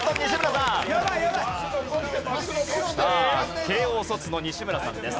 さあ慶應卒の西村さんです。